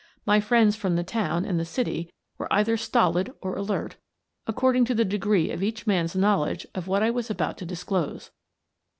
My friends from the town and the city were either stolid or alert, according to the degree of each man's knowledge of what I was about to disclose.